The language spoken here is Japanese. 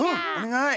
はい！